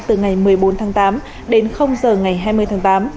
từ ngày một mươi bốn tháng tám đến giờ ngày hai mươi tháng tám